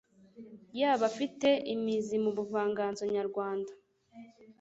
yaba ifite imizi mu buvanganzo nyarwanda